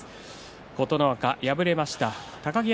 琴ノ若、敗れました。